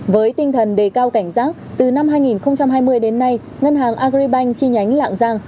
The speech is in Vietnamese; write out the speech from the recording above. với tinh thần đề cao cảnh giác từ năm hai nghìn hai mươi đến nay ngân hàng agribank chi nhánh lạng giang